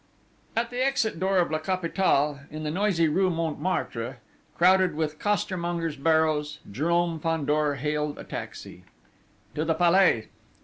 At the exit door of La Capitale, in the noisy rue Montmartre, crowded with costermongers' barrows, Jérôme Fandor hailed a taxi. "To the Palais!"